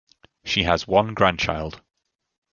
She has one grandchild.